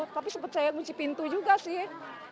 tapi sempat saya kunci pintu juga sih